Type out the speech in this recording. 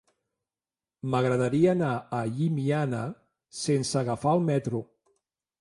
M'agradaria anar a Llimiana sense agafar el metro.